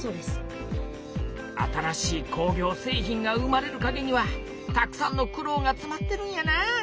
新しい工業製品が生まれるかげにはたくさんの苦労がつまってるんやな。